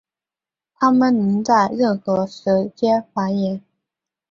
它们能在任何时间繁殖。